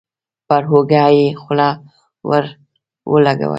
پر اوږه يې خوله ور ولګوله.